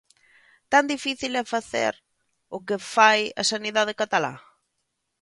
¿Tan difícil é facer o que fai a sanidade catalá?